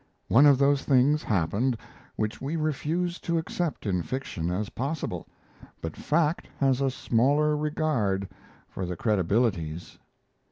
One of those things happened which we refuse to accept in fiction as possible; but fact has a smaller regard for the credibilities.